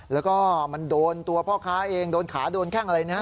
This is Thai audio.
แล้วก็มันโดนตัวพ่อค้าเองโดนขาโดนแข้งอะไรนะฮะ